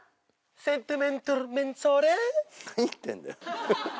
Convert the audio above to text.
センチメンタル・めんそーれ何言ってんだよ？